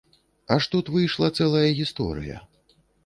Аж тут выйшла цэлая гісторыя.